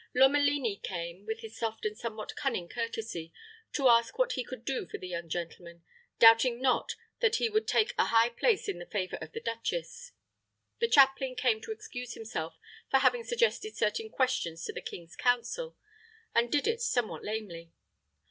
Lomelini came, with his soft and somewhat cunning courtesy, to ask what he could do for the young gentleman doubting not that he would take a high place in the favor of the duchess. The chaplain came to excuse himself for having suggested certain questions to the king's counsel, and did it somewhat lamely.